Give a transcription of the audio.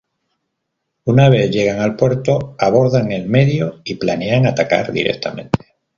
Una vez llegan al puerto, abordan el medio y planean atacar directamente.